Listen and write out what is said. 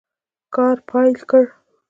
کار پیل کړ.